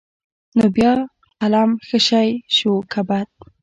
نو بيا قلم ښه شى شو که بد.